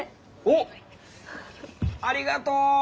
おっありがとう！